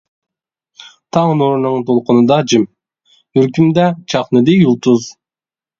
تاڭ نۇرىنىڭ دولقۇنىدا جىم، يۈرىكىمدە چاقنىدى يۇلتۇز.